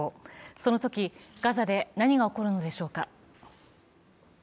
そのときガザで何が起こるのでしょうか。